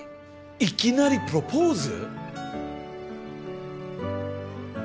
いきなりプロポーズ！？